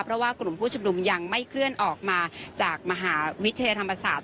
เพราะว่ากลุ่มผู้ชุมนุมยังไม่เคลื่อนออกมาจากมหาวิทยาลัยธรรมศาสตร์